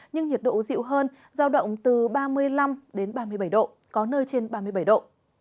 nhưng nhiệt độ dịu hơn giao động từ ba mươi năm đến ba mươi bảy độ có nơi trên ba mươi bảy độ